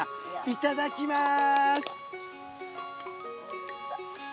いただきます。